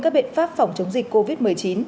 các biện pháp phòng chống dịch covid một mươi chín